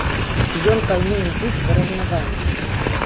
І ён павінен быць выраўнаваны.